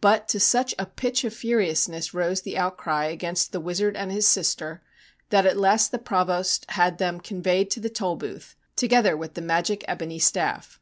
But to such a pitch of furiousness rose the outcry against the wizard and his sister that at last the Provost had them con veyed to the Tolbooth, together with the magic ebony staff.